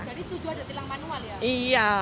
jadi setuju ada tilang manual ya